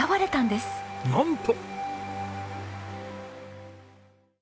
なんと！